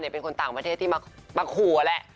เป็นคนต่างประเทศที่มาขู่แหละ